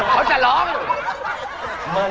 เขาจะร้อง